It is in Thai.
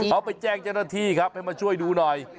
เขาไปแจ้งเจ้าหน้าที่ครับให้มาช่วยดูหน่อย